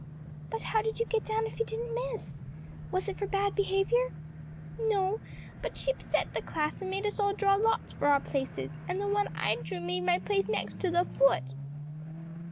"But how did you get down if you didn't miss? was it for bad behavior?" "No; but she upset the class and made us all draw lots for our places, and the one I drew made my place next to the foot."